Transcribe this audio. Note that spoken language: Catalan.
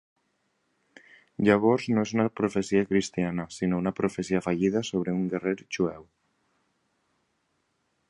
Llavors, no és una profecia cristiana, sinó una profecia fallida sobre un guerrer jueu.